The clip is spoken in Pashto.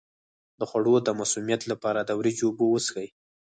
د خوړو د مسمومیت لپاره د وریجو اوبه وڅښئ